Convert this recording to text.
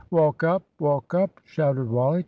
"Walk up, walk up!" shouted Wally.